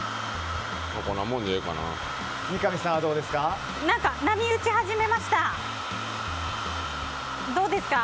三上さんはどうですか？